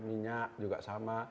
minyak juga sama